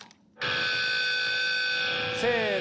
せの！